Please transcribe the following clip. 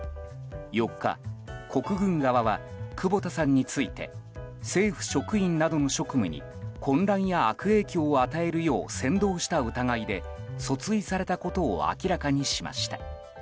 ４日、国軍側は久保田さんについて政府職員などの職務に混乱や悪影響を与えるよう扇動した疑いで訴追されたことを明らかにしました。